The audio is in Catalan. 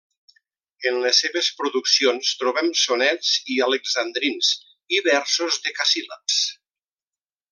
En les seves produccions trobem sonets i alexandrins, i versos decasíl·labs.